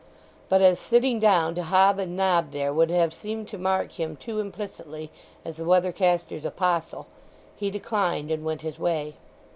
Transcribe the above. But as sitting down to hob and nob there would have seemed to mark him too implicitly as the weather caster's apostle, he declined, and went his way.